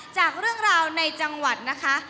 จากเรื่องราวในจังหวัดนะคะ